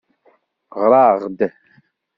Ɣɣar-aɣ-d.